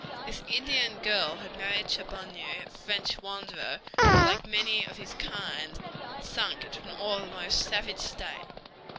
This Indian girl had married Chaboneau, a French wanderer, who like many others of his kind had sunk into an almost savage state.